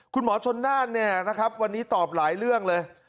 คุณหมอชนน่านเนี่ยนะครับวันนี้ตอบหลายเรื่องเลย